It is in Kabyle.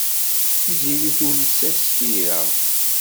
Tiziri tules-as tira.